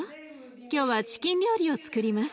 今日はチキン料理をつくります。